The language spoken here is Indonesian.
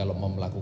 pak rumah sakit